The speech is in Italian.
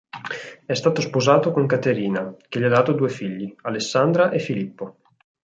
È stato sposato con Caterina, che gli ha dato due figli: Alessandra e Filippo.